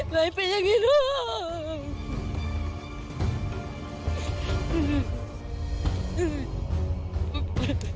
เลยเป็นอย่างงี้ลูก